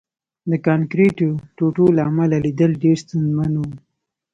د کانکریټو ټوټو له امله لیدل ډېر ستونزمن وو